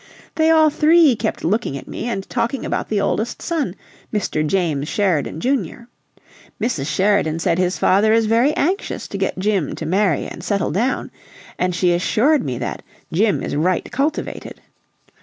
They all three kept looking at me and talking about the oldest son, Mr. James Sheridan, Junior. Mrs. Sheridan said his father is very anxious 'to get Jim to marry and settle down,' and she assured me that 'Jim is right cultivated.'